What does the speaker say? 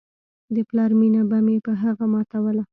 د پلار مينه به مې په هغه ماتوله.